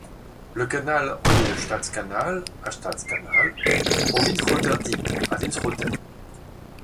Le canal relie le Stadskanaal à Stadskanaal au Winschoterdiep à Winschoten.